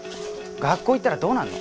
学校行ったらどうなるの？